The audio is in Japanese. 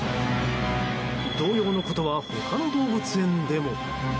同様のことは他の動物園でも。